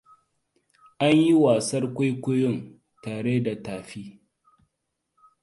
An yi wasan kwaikwayon tare da tafi.